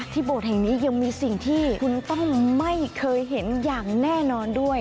โบสถ์แห่งนี้ยังมีสิ่งที่คุณต้องไม่เคยเห็นอย่างแน่นอนด้วย